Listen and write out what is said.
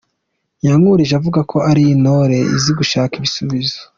Yankurije avuga ko ari intore izi gushaka ibisubizo.